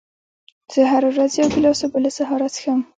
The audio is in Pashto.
زه هره ورځ یو ګیلاس اوبه له سهاره څښم.